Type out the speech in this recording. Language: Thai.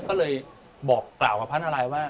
ก็เลยบอกกล่าวกับพระนาลัยว่า